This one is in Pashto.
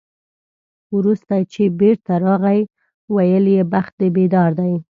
وروسته چې بېرته راغی، ویل یې بخت دې بیدار دی.